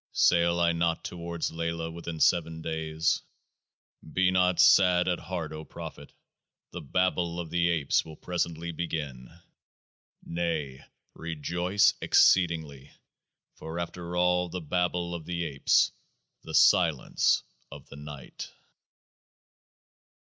Sail I not toward LAYLAH within seven days? Be not sad at heart, O prophet ; the babble of the apes will presently begin. Nay, rejoice exceedingly ; for after all the babble of the apes the Silence of the Night.